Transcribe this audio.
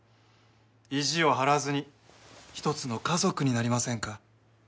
意地を張らずに一つの家族になりませんか？